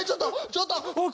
ちょっと！